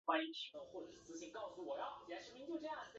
一些批评家认为他们的歌其带有强烈的马克思主义色彩。